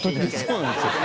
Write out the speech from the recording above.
そうなんですよ。